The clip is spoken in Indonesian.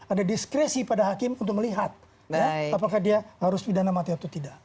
ada diskresi pada hakim untuk melihat apakah dia harus pidana mati atau tidak